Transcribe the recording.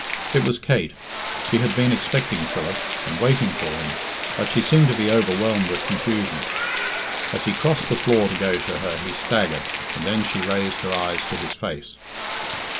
It was Kate. She had been expecting Philip, and waiting for him, but she seemed to be overwhelmed with confusion. As he crossed the floor to go to her, he staggered, and then she raised her eyes to his face.